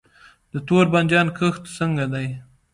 د تور بانجان کښت څنګه دی؟